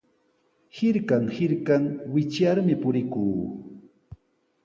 Hirkan hirkan wichyarmi purikuu.